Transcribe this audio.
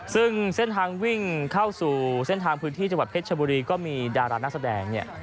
ซึ่งเส้นทางวิ่งเข้าสู่เส้นทางพื้นที่จังหวัดเพชรชบุรีก็มีดารานักแสดงเนี่ย